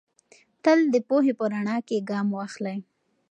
تل د پوهې په رڼا کې ګام واخلئ.